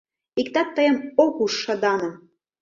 Иктат тыйым ок уж шыданым.